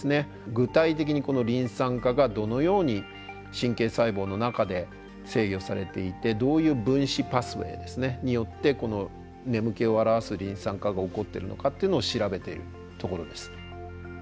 具体的にこのリン酸化がどのように神経細胞の中で制御されていてどういう分子パスウェイですねによってこの眠気を表すリン酸化が起こってるのかっていうのを調べてるところです。